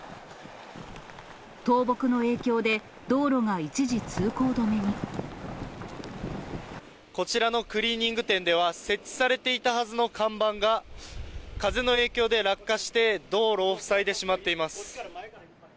倒木の影響で、こちらのクリーニング店では、設置されていたはずの看板が、風の影響で落下して、道路を塞いでしまっています。